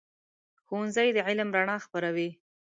ښوونځی د علم رڼا خپروي.